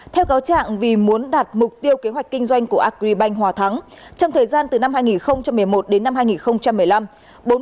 theo cáo trạng vì muốn đạt mục tiêu kế hoạch kinh doanh của agribank hòa thắng trong thời gian từ năm hai nghìn một mươi một đến năm hai nghìn một mươi năm